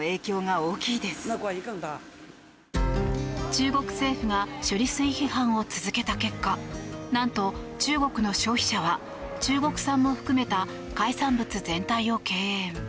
中国政府が処理水批判を続けた結果何と中国の消費者は、中国産も含めた海産物全体を敬遠。